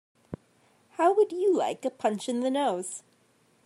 How would you like a punch in the nose?